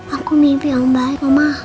aku mimpi om baik